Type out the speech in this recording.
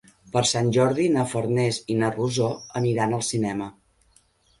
Per Sant Jordi na Farners i na Rosó aniran al cinema.